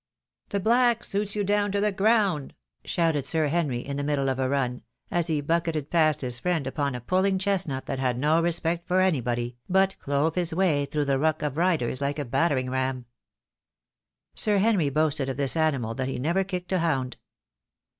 "The black suits you down to the ground," shouted Sir Henry, in the middle of a run, as he bucketed past his friend upon a pulling chestnut that had no respect for anybody, but clove his way through the ruck of riders like a battering ram. Sir Henry boasted of this animal that he never kicked a hound.